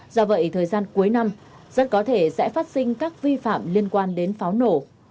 do vậy thời gian cuối năm rất có thể sẽ phát sinh các vi phạm liên quan đến pháo nổ